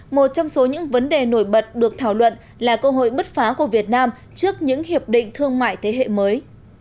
một trong số những vấn đề nổi bật được thảo luận là cơ hội bứt phá của việt nam trước những hiệp định thương mại thế hệ mới